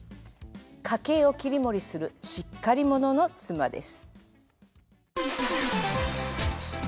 家計をきりもりするしっかり者の妻です。